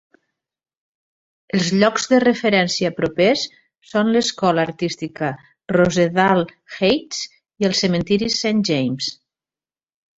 Els llocs de referència propers són l'escola artística Rosedale Heights i el cementiri Saint James.